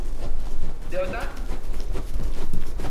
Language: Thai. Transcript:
เดี๋ยวนะ !